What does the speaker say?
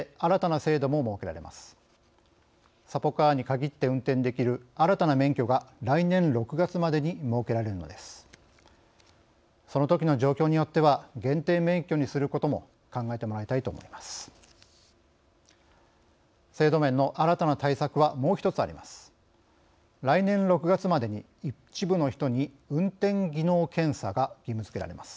制度面の新たな対策はもう１つあります。